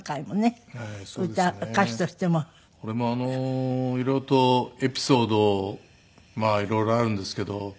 俺もエピソード色々あるんですけど。